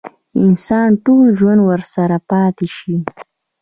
انسان ټول ژوند ورسره پاتې شي.